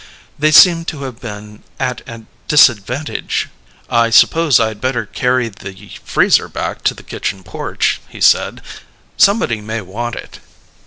They seemed to have been at a disadvantage. "I suppose I'd better carry the freezer back to the kitchen porch," he said. "Somebody may want it."